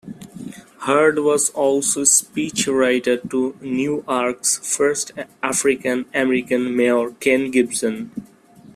Heard was also speech writer to Newark's first African American Mayor Ken Gibson.